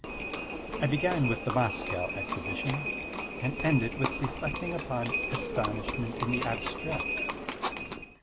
I began with the Moscow exhibition and ended with reflecting upon astonishment in the abstract.